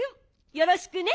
よろしくね。